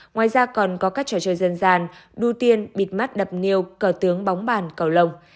ngoài ra còn có các trò chơi dân gian đu tiên bịt mắt đập niêu cờ tướng bóng bàn cầu lồng